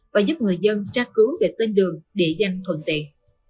và giúp người dân tra cứu về tên đường địa danh thuận tiện